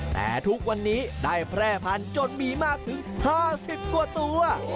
แต่ทุกวันนี้ได้แพร่พันธุ์จนมีมากถึง๕๐กว่าตัว